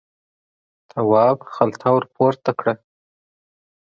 تواب خلته ور پورته کړه.